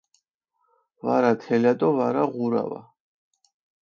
ვარა თელა დო ვარა ღურავა